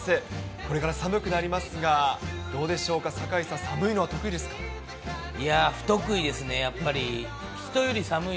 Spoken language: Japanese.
これから寒くなりますが、どうでしょうか、坂井さん、いや、不得意ですね、人より寒い？